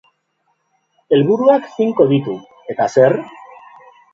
Helburu finkoak ditu, eta zer?